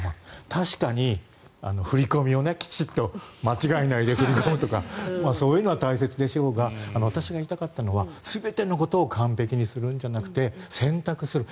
確かに振り込みをきちんと間違いないで振り込むとかそういうのは大切でしょうが私が言いたかったのは全てのことを完璧にするのではなくて選択する。